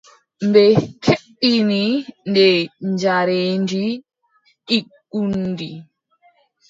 Ɓe kebbini nde njaareendi ɗiggundi.